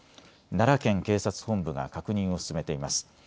奈良県警察本部が確認を進めています。